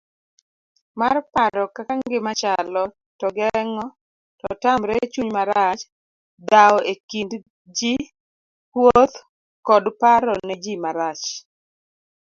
mar paro kaka ngima chalo to geng'o to tamre chunymarach, dhawoekindji, kuothkodparonejimarach